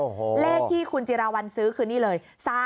แรกที่คุณจิราวันซื้อคือนี้เลย๓๔๖๑๔๐